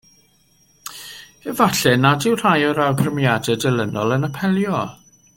Efallai nad yw rhai o'r awgrymiadau dilynol yn apelio.